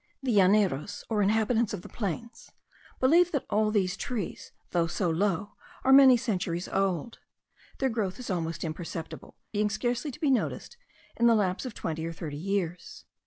The Llaneros, or inhabitants of the plains, believe that all these trees, though so low, are many centuries old. Their growth is almost imperceptible, being scarcely to be noticed in the lapse of twenty or thirty years.